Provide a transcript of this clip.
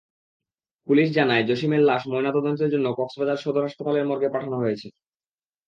Police জানায়, জসিমের লাশ ময়নাতদন্তের জন্য কক্সবাজার সদর হাসপাতালের মর্গে পাঠানো হয়েছে।